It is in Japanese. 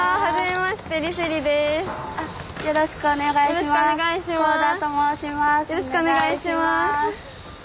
よろしくお願いします。